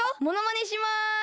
ものまねします。